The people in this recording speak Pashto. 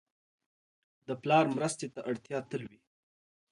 د پلار مرستې ته اړتیا تل وي.